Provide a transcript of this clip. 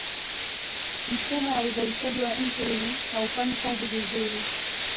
mfumo wa uzalishaji wa insulini haufanyi kazi vizuri